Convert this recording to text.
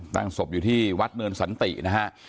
ตั้งศพอยู่ที่วัดเนินสันตินะฮะ